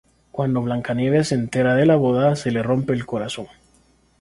Cuando Blancanieves se entera de la boda, se le rompe el corazón.